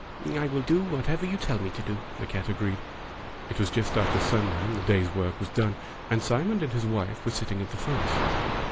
"I will do whatever you tell me to do," the cat agreed. It was just after sundown, the day's work was done, and Simon and his wife were sit ting at the fireside.